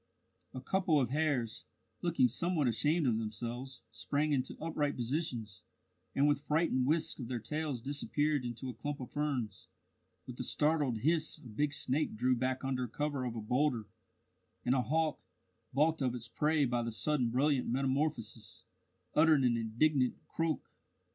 A couple of hares, looking somewhat ashamed of themselves, sprang into upright positions, and with frightened whisks of their tails disappeared into a clump of ferns. With a startled hiss a big snake drew back under cover of a boulder, and a hawk, balked of its prey by the sudden brilliant metamorphosis, uttered an indignant croak.